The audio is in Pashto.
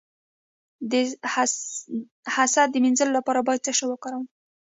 د حسد د مینځلو لپاره باید څه شی وکاروم؟